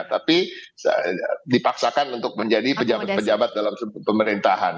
tapi dipaksakan untuk menjadi pejabat pejabat dalam pemerintahan